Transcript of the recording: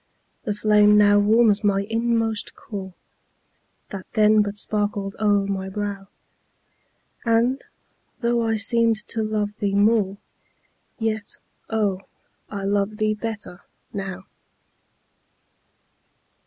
The flame now warms my inmost core, That then but sparkled o'er my brow, And, though I seemed to love thee more, Yet, oh, I love thee better now.